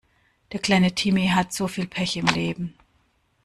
Der kleine Timmy hat so viel Pech im Leben!